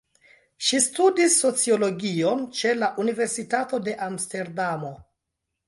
Ŝi studis sociologion ĉe la Universitato de Amsterdamo.